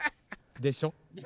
でしょ？